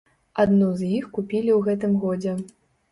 Адну з іх купілі ў гэтым годзе.